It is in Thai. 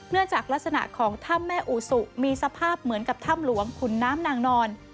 จากลักษณะของถ้ำแม่อุสุมีสภาพเหมือนกับถ้ำหลวงขุนน้ำนางนอน